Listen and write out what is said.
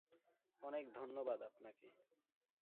অনেক ধন্যবাদ আপনাকে।